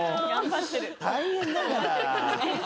大変だから。